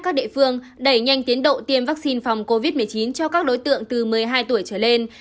các địa phương đẩy nhanh tiến độ tiêm vaccine phòng covid một mươi chín cho các đối tượng từ một mươi hai tuổi trở lên